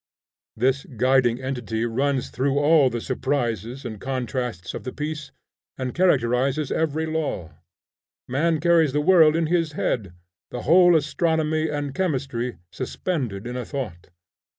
This guiding identity runs through all the surprises and contrasts of the piece, and characterizes every law. Man carries the world in his head, the whole astronomy and chemistry suspended in a thought.